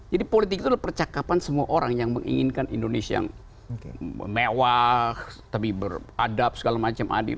jadi politik itu adalah percakapan semua orang yang menginginkan indonesia yang mewah tapi beradab segala macam